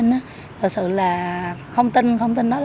thật sự là không tin không tin